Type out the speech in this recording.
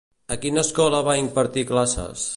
A quina escola va impartir classes?